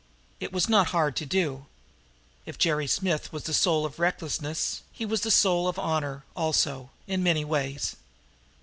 It was not hard to do. If Jerry Smith was the soul of recklessness, he was the soul of honor, also, in many ways.